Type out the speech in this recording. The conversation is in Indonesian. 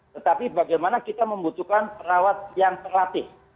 tetapi bagaimana kita membutuhkan perawat yang terlatih